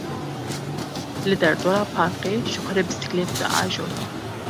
Li derdora parkê ji xwe re bisiklêt diajot.